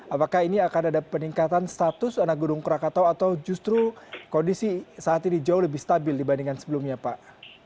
apakah ini akan ada peningkatan status anak gunung krakatau atau justru kondisi saat ini jauh lebih stabil dibandingkan sebelumnya pak